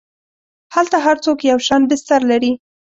هلته هر څوک یو شان بستر لري.